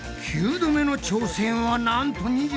９度目の挑戦はなんと２３回。